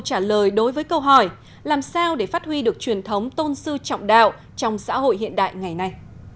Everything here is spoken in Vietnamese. các nhà nghiên cứu trả lời đối với câu hỏi làm sao để phát huy được truyền thống tôn sư trọng đạo trong xã hội hiện đại ngày nay